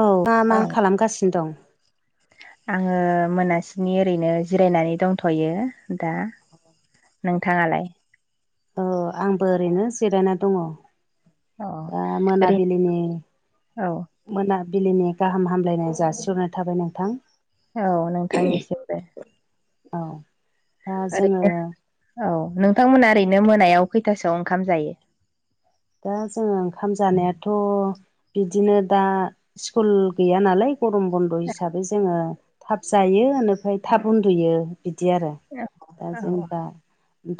औ मा मा औ खालामगासिनो दं। आङो मोनासिनि ओरैनो जिरायनानै दंथ'यो दा नोंथाङालाय। औ आंबो ओरैनो जिरायना दङ। अ दा ओरै मोनाबिलिनि औ मोनाबिलिनि गाहाम हामलायनाय जासिहरनाय थाबाय नोंथां। औ नोंथांनिसिमबो। औ। दा जोङो ओरैनो औ नोंथांमोना ओरैनो मोनायाव खैथासोआव ओंखाम जायो? दा जोङो ओंखाम जानायाथ' बिदिनो दा स्कुल गैया नालाय गरम बन्द' हिसाबै जोङो थाब जायो बेनिफ्राय थाब उन्दुयो बिदि आरो दा औ जोंबा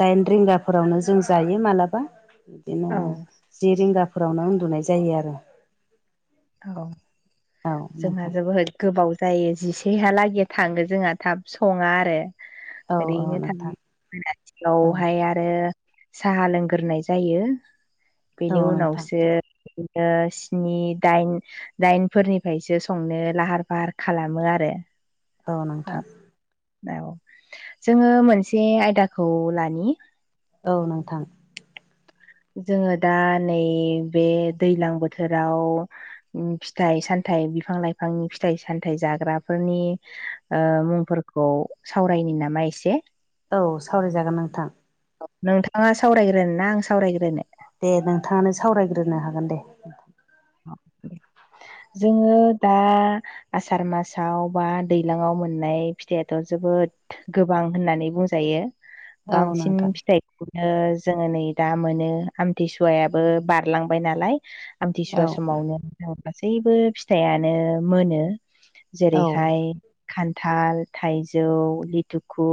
दाइन रिंगाफोरावनो जों जायो मालाबा बिदिनो औ जि रिंगाफोरावनो उन्दुनाय जायो आरो। औ औ जोंहा नोंथां जोबोद गोबाव जायो जिसेहालागै थाङो जोंहा थाब सङा आरो। औ औ ओरैनो नोंथां [unintelligible] आरो औ आरो साहा लोंग्रोनाय जायो औ बेनि नोंथां उनावसो ओ स्नि दाइन दाइनफोरनिफ्रायसो संनो लाहार - फाहार खालामो आरो। औ नोंथां। जोङो मोनसे आयदाखौ लानि औ नोंथां। जोङो दा नै बे दैलां बोथोराव फिथाइ सामथायाइ बिफां लाइफांनि फिथाइ सामथाय जाग्राफोरनि ओ मुंफोरखौ सावरायनि नामा एसे? औ सावरायजागोन नोंथां। नोंथाङा सावरायग्रोना आं सावरायग्रोनो? दे नोंथाङानो सावरायग्रोनो हागोन दे। जोङो दा आसार मासाव बा दैज्लांआव मोननाय फिथाइआथ' जोबोद गोबां होननानै बुंजायो औ बांसिन नोंथां फिथाइखौ ओ जोङो नै दा मोनो आमथिसुवायाबो बारलांबाय नालाय। औ बे समावनो जों गासैबो फिथाइानो मोनो औ जेरैहाय खान्थाल, थाइजौ, लिथुखु,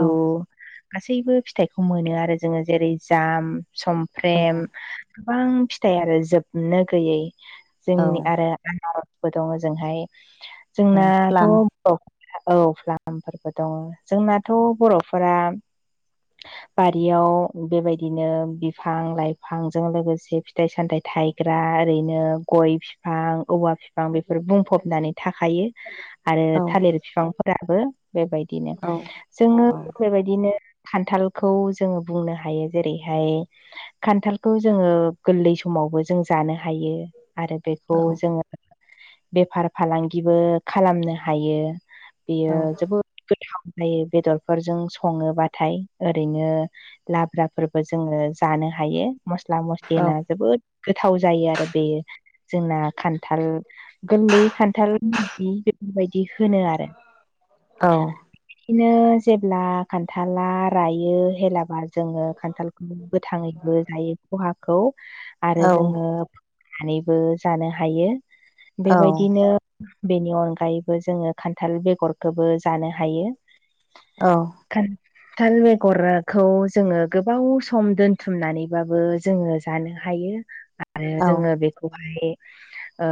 औ गासैबो फिथाइखौ मोनो आरो जोङो जेरै जाम, समफ्रेम गोबां फिथाइ आरो जोबनो गैयै औ जोंनि आरो आन आरजबो दङ जोंहाय औ जोंनाथ' प्लाम औ औ फ्लामफोरबो दङ जोंनाथ' बर'फोरा बारियाव बेबायदिनो बिफां लाइफांजों लोगोसे फिथाइ सामथायाइ थाइ गग्रा ओरैनो गय फिफां औवा फिफां बेफोर बुंफबनानै थाखायो। आरो औ थालिर बिफांफोराबो बेबायदिनो औ जोङो औ बेबायदिनो खान्थालखौ जोङो बुंनो हायो जेरैहाय खान्थालखौ जोङो गोरलै समावबो जों जानो हायो आरो बेखौ औ जोङो बेफार फालांगिबो खालामनो हायो बेयो औ जोबोद गोथाव जायो बेदरफोरजों सङोबाथाय ओरैनो लाब्राफोरबो जोङो जानो हायो, मस्ला मस्लि औ होना जोबोद गोथाव जायो आरो बेयो। जोंना खान्थाल गोरलै खान्थाल बेफोरबायदि बिदि होनो आरो। औ बिदिनो जेब्ला खान्थाला रायो हेलाबा जोङो खान्थालखौ गोथाङैबो जायो खहाखौ आरो जोङो सानैबो जानो हायो बेबायदिनो बेनि अनगायैबो जोङो खान्थाल बेगरखौबो जानो हायो। औ। ख [unintelligible] थाल बेगरखौ जोङो गोबाव सम दोनथुमनानैबाबो जोङो जानो हायो आरो जोङो बेखौहाय ओ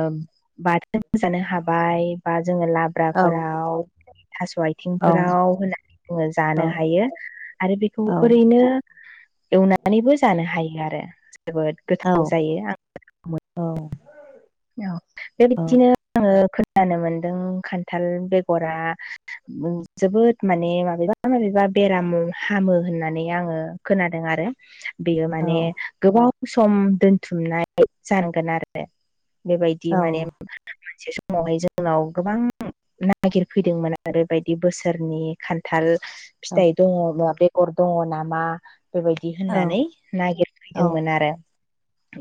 बाथोन जानो हाबाय बा जोङो लाब्राफोराव थास' आथिंफोराव होनानै जोङो जानो हायो। आरो बेखौ ओरैनो एवना नैबो जानो हायो आरो, जोबोद गोथाव जायो। आं मोन औ। बेबायदिनो आङो खोनानो मोनदों खान्थाल बेगरा नों जोबोद माने माबेबा माबेबा बेराम हामो होननानै आङो खोनादों आरो। बेयो माने गोबाव सम दोनथुमनाय जानांगोन आरो। बेबायदि माने मोनसे समावहाय जोंनाव गोबां नागिरफैदोंमोन आरो बायदि बोसोरनि खान्थाल फिथाइ दङ ना बेगर दङ नामा? बेबायदि बिदि होननानै नागिरफैदोंमोन आरो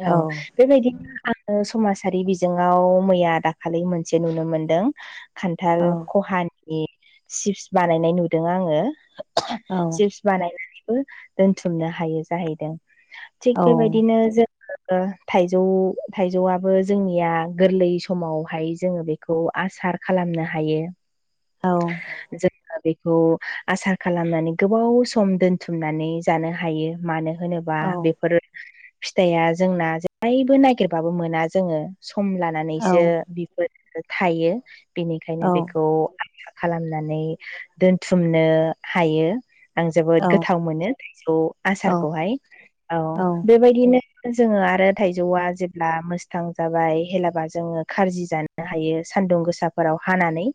औ बेबायदिनो आङो समाजारि बिजोङाव मैया दाखालि मोनसे नुनो मोनदों। खान्थाल खहानि चिप्स बानायनाय नुदों आङो चिप्स बानायनानैबो दोनथुमनो हायो जाहैदों थिग बेबायदिनो जों बो थाइजौ थाइजौआबो जोंनिया गोरलै समावहाय जोङो बे खौ आसार खालामनो हायो। औ जोङो बेखौ आसार खालामनानै गोबाव सम दोनथुमनानै जानो हायो मानो होनोबा बेफोरो फिथाइआ जोंना जेब्लायबो नागिरबाबो मोना जोङो सम लानानैसो बेफोर थायो बेनिखायनो बेखौ खालामनानै दोनथुमनो हायो। आं जोबोद औ गोथाव मोनो थाइजौ औ आसारखौहाय औ बेबायदिनो जोङो आरो थाइजौआ जेब्ला मोस्थां जाबाय हेलाबा जोङो खजि जा नो हायो सान्दुं गोसाफोराव हानानै।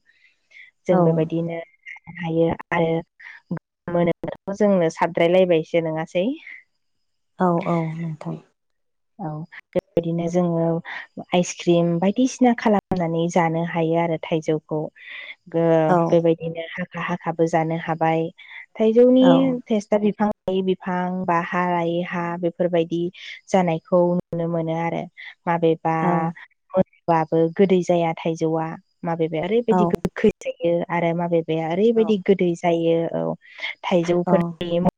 औ जों बेबायदिनो हायो आरो मोनोब' जोंनो साबद्रायलायबायसो नङासै औ औ नोंथां औ बेबायदिनो जोङो आइसक्रिम बायदिसिना खालामनानै जानो हायो आरो थाइजौखौ [inaudible] ओ औ बेबायदिनो हाखा हाखाबो जानो हाबाय थाइजौनि औ टेस्टा बिफां लायै बिफां बा हाय लायै हा बेफोरबायदि जानायखौ नुनो मोनो आरो माबेबा औ मोनबाबो गोदै जाया थाइजौआ माबेबाया औ ओरैबायदि गोखै जायो आरो माबेबाया औ ओरैबायदि गोदै जायो औ औ थाइजौफोरनि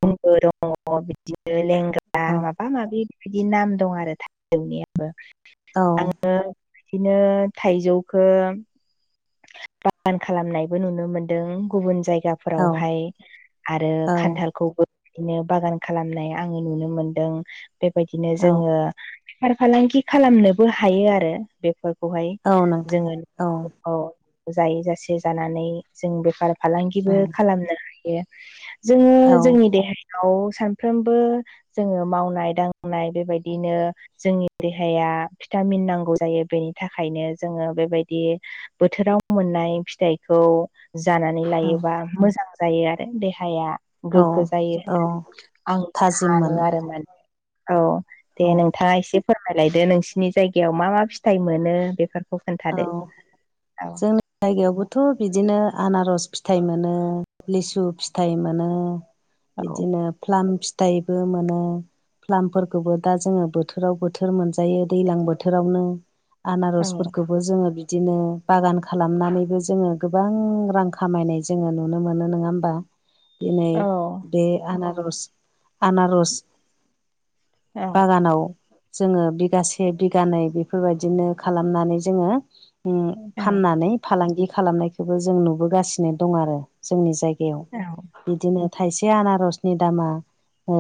[unintelligible] दङ बिदिनो लेंग्रा औ माबा माबि बिदि नाम दं आरो थाइजौनियाबो औ आङो बिदिनो थाइजौखौ बागान खालामनायबो नुनो मोनदों गुबुन जायगा औ फोरावहाय आरो खान्थालखौबो बिदिनो बागान खालामनाय आङो नुनो मोनदों बेबायदिनो औ जोङो बेफार फालांगि खालामनोबो हायो आरो बेफोरखौहाय औ नोंथां जोङो औ जायै जासे जानानै जों बेफार फालांगिबो खालामनो हायो। जोङो औ जोंनि देहायाव सानफ्रोमबो जोङो मावनाय दांनाय बेबायदिनो जोंनि देहाया भिटामिन नांगौ जायो बेनि थाखायनो जोङो बेबादि बोथोराव मोननाय फिथाइखौ जानानै औ लायोबा मोजां जायो आरो देहाया औ गोग्गो जायो औ आं थाजिम सानो मोनो आरो मा औ औ दे नोंथाङा एसे फोरमायलायदो नोंसिनि जायगायाव मा मा फिथाइ मोनो बेफोरखौ खोन्थादो औ जगायावबोथ' बिदिनो आनारस फिथाइ मोनो लिसु फिथाइ मोनो। औ बिदिनो फ्लाम फिथाइबो मोनो फ्लामफोरखौबो दा जोङो बोथोराव बोथोर मोनजायो दैज्लां बोथोरावनो औ आनारसफोरखौबो जोङो बिदिनो बागान खालामनानैबो जोङो गोबां रां खामायनाय जोङो नुनो मोनो नङा होमबा दिनै औ बे आनारस आनारस औ बागानाव जोङो बिगासे बिगानै बेफोरबायदिनो खालामनानै जोङो उ औ फाननानै फालांगि खालामनायखौबो जों नुबोगासिनो दं आरो जोंनि जायगायाव औ बिदिनो थाइसे आनारसनि दामा ओ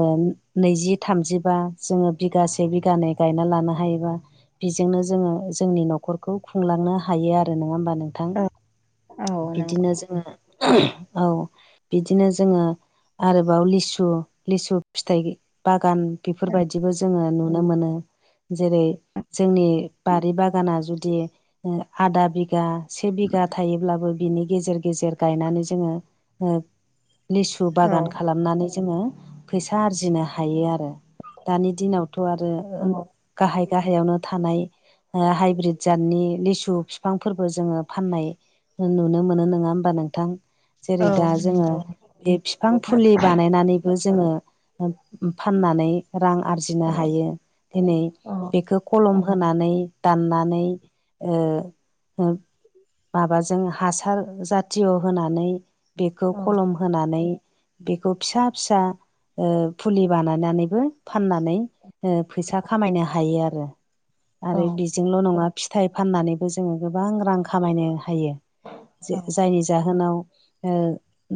नैजि थामजिबा जोङो बिगासे बिगानै गायना लानो हायोबा बेजोंनो जोङो जोंनि न'खर खौ खुंलांनो हायो आरो नङा होमबा नोंथां? औ औ नंगौ बिदिनो जोङो [inaudible] औ बिदिनो जोङो आरोबाव लिसु लिसु फिथाइ बागान बेफोरबायदिबो जोङो नुनो मोनो। जेरै जोंनि बारि बागाना जु दि ओ आदा बिगा से बिगा थायोब्लाबो बिनि गेजेर गेजेर गायनानै जोङो ओ लिसु बागान औ खालाम नानै जोङो फैसा आरजिनो हायो आरो दानि दिनावथ' आरो औ गाहाय गाहायावनो थानाय ओ हाइब्रिद जातनि लिसु बिफांफोरबो जोङो फाननाय ओ नुनो मोनो नङा होमबा नोंथां। जेरै औ दा जोङो नंगौ बे बिफां फुलि बानायनानैबो जोङो फाननानै रां आरजिनो औ हायो दिनै औ बेखौ खलम होनानै दाननानै ओ ओ माबाजों हासार जाथिय' होनानै बेखौ औ खलम होनानै बेखौ फिसा फिसा ओ फुलि बानायनानैबो फाननानै ओ फैसा खामायनो हायो आरो औ आरो बेजोंल' नङा फिथाइ फाननानैबो जोङो गोबां रां खामायनो हायो। औ जे-जायनि जाहोनाव ओ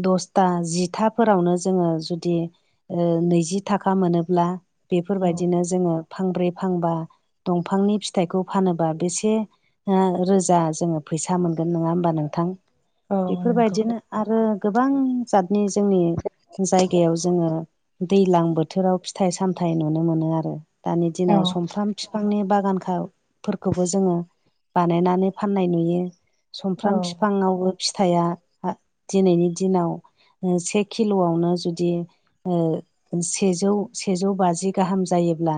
दसथा जिथाफोरावनो जोङो जुदि ओ नैजि थाखा मोनोब्ला औ बेफोरबायदिनो जोङो फांब्रै फांबा दंफांनि फिथाइखौ फानो बा ओ बेसे रोजा जोङो फैसा मोनगोन नङा होमबा नोंथां? औ नंगौ बेफोरबायदिनो आरो गोबां जातनि जोंनि जायगायाव जोङो दै्लां बोथोराव फिथाइ सामथायाइ नुनो मोनो आरो। दानि औ दिनाव सुमफ्राम बिफांनि बागानखौ फोरखौबो जोङो बानायनानै फाननाय नुयो औ सुमफ्राम बिफाङावबो फिथाइया दिनैनि दिनाव से किल'आवनो जुदि ओ सेजौ सेजौ बाजि गाहाम जायोब्ला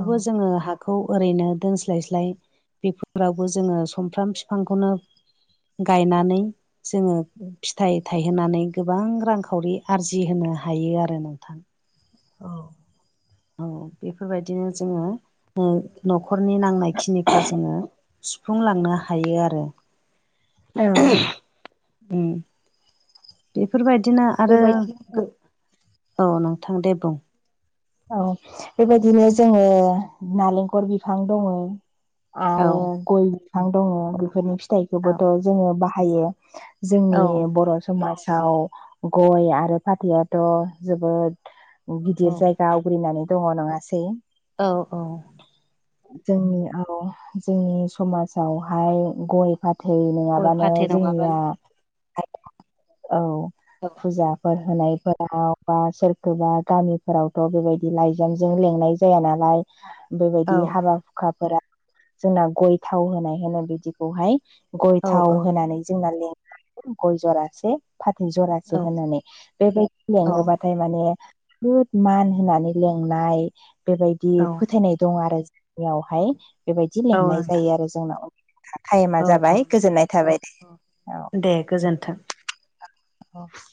औ जोङो हाखौ ओरैनो दोनस्लायस्लाय बेफोरावबो जोङो सुमफ्राम बिफांखौनो गायनानै जोङो फिथाइ थायहोनानै गोबां रांखावरि आरजिहोनो हायो आरो नोंथां औ औ बेफोरबायदिनो जोङो ओ न'खरनि नांनाय खिनिखौ जोङो सुफुंलांनो हायो आरो। औ [inaudible] उम [inaudible] बेफोरबायदिनो आरो बेबायदि गो- [inaudible] औ नोंथां दे बुं औ बेबायदिनो जोङो नालेंखर बिफां दङो आं औ आरो गय बिफां दङ बेफोरनि औ फिथाइखौबोथ' जोङो बाहायो जोंनि औ बर' समाजाव गय आरो फाथैआथ' जोबोद गिदिर जाय औ गा आवग्रिनानै दङ नङासै? औ औ जोंनियाव जोंनि समाजावहाय गय फा थै गय नङाबानो फाथै जोंनिया नङाबानो औ औ फुजाफोर होनायफोराव बा सोरखौबा गामिफोराव थ' बेबायदि लाइजामजों लेंनाय जाया नालाय बेबायदि औ हाबा हुखाफोरा जोंना गय थाव होनाय होनो बिदिखौहाय गय औ थाव होनानै जोंना लें गय जरासे फाथै औ जरासे होननानै बेबायदि औ लेङोबा थाय माने [unintelligible] मान होनानै लेंनाय बेबायदि औ फोथायनाय दं आरो जोंनियावहाय बेबायदि औ लेंनाय नोंथां जायो आरो जोंनाव। टा-टाइमा औ औ जाबाय गोजोननाय थाबाय दे औ। दे गोजोन्थों अ